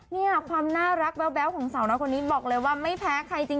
เนี่ยความน่ารักแบ๊วของสาวน้อยคนนี้บอกเลยว่าไม่แพ้ใครจริง